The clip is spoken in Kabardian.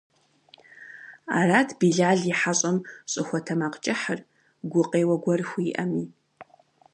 Арат Билал и хьэщӀэм щӀыхуэтэмакъкӀыхьыр, гукъеуэ гуэр хуиӀэми.